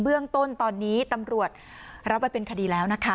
เบื้องต้นตอนนี้ตำรวจรับไว้เป็นคดีแล้วนะคะ